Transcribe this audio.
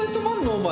お前。